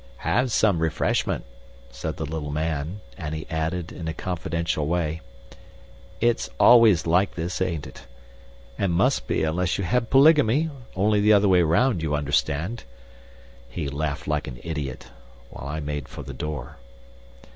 "Have some refreshment," said the little man, and he added, in a confidential way, "It's always like this, ain't it? And must be unless you had polygamy, only the other way round; you understand." He laughed like an idiot, while I made for the door.